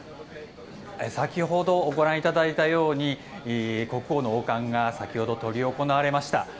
先ほど、ご覧いただいたように国王の王冠が先ほど、執り行われました。